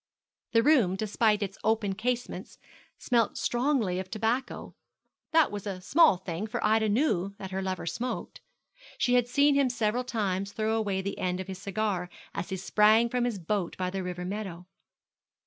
The room, despite its open casements, smelt strongly of tobacco. That was a small thing, for Ida knew that her lover smoked. She had seen him several times throw away the end of his cigar as he sprang from his boat by the river meadow.